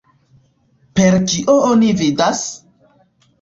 Per kio oni vidas?